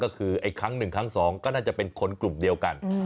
ก็คือไอ้ครั้งหนึ่งครั้งสองก็น่าจะเป็นคนกลุ่มเดียวกัน